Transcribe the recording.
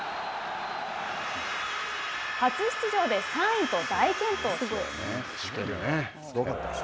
初出場で３位と大健闘します。